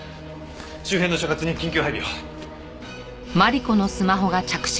周辺の所轄に緊急配備を！